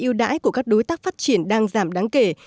ưu đãi của các đối tác phát triển đang giảm đáng kể